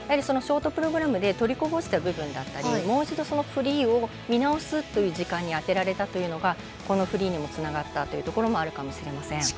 ショートプログラムでとりこぼした部分だったりもう一度、フリーを見直す時間にあてられたというのがこのフリーにもつながったというところもあるかもしれません。